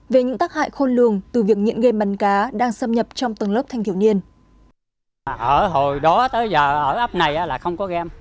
về những tác hại khôn lường từ việc nghiện game bắn cá đang xâm nhập trong tầng lớp thanh thiếu niên